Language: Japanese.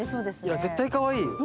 いや絶対かわいいよ。